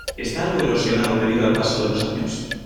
Está algo erosionado debido al paso de los años.